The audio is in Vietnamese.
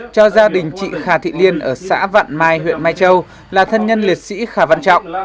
cho gia đình chị khà thị liên ở xã vạn mai huyện mai châu là thân nhân liệt sĩ khá vấn trọng